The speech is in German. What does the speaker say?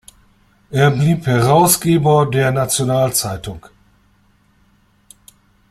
Er blieb Herausgeber der National-Zeitung.